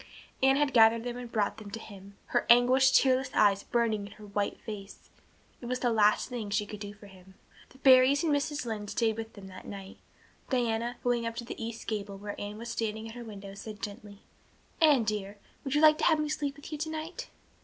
Anne had gathered them and brought them to him, her anguished, tearless eyes burning in her white face. It was the last thing she could do for him. The Barrys and Mrs. Lynde stayed with them that night. Diana, going to the east gable, where Anne was standing at her window, said gently: "Anne dear, would you like to have me sleep with you tonight?"